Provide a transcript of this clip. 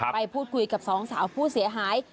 ไปพูดคุยกับสองสาวผู้เสียหาย